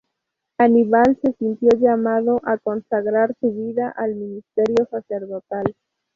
Aníbal se sintió llamado a consagrar su vida al ministerio sacerdotal.